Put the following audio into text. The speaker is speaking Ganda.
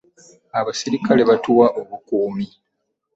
Abasirikale batuwa obukuumi.